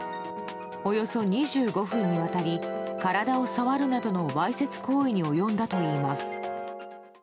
およそ２５分にわたり体を触るなどのわいせつ行為に及んだといいます。